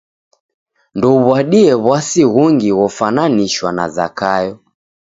Ndouw'adie w'asi ghungi ghofwananishwa na Zakayo.